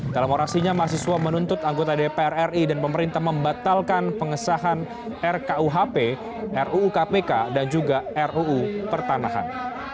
dalam orasinya mahasiswa menuntut anggota dpr ri dan pemerintah membatalkan pengesahan rkuhp ruu kpk dan juga ruu pertanahan